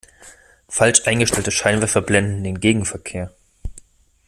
Falsch eingestellte Scheinwerfer blenden den Gegenverkehr.